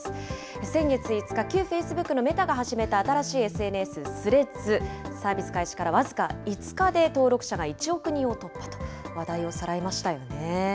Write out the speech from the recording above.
先月５日、旧フェイスブックのメタが始めた新しいＳＮＳサービス、スレッズ、５日で登録者が１億人を突破と、話題をさらいましたよ